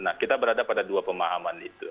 nah kita berada pada dua pemahaman itu